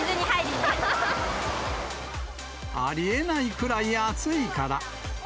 ありえないくらい暑いから。